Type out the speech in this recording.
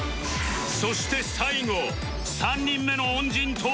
そして最後３人目の恩人とは？